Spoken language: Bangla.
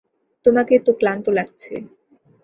তোমাকে তো ক্লান্ত লাগছে।